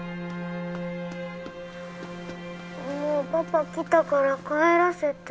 もうパパ来たから帰らせて。